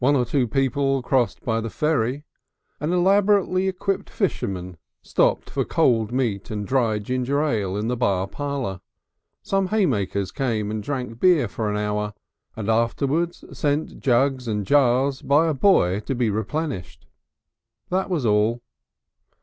One or two people crossed by the ferry, an elaborately equipped fisherman stopped for cold meat and dry ginger ale in the bar parlour, some haymakers came and drank beer for an hour, and afterwards sent jars and jugs by a boy to be replenished; that was all.